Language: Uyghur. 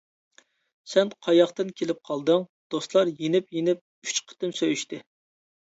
سەن قاياقتىن كېلىپ قالدىڭ؟ دوستلار يېنىپ-يېنىپ ئۈچ قېتىم سۆيۈشتى.